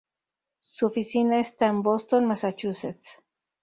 Su oficina esta en Boston, Massachusetts.